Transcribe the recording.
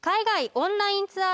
オンラインツアー